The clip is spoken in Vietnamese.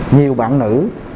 nhiều bạn nữ